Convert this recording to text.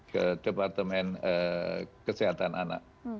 ke departemen kesehatan anak